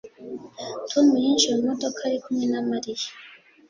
Tom yinjiye mu modoka ari kumwe na Mariya